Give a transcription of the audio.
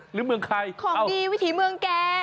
เมืองใครของดีวิถีเมืองแก